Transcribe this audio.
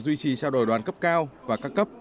duy trì trao đổi đoàn cấp cao và các cấp